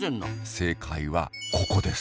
正解はここです。